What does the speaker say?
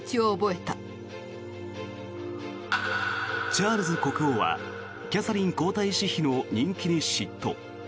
チャールズ国王はキャサリン皇太子妃の人気に嫉妬。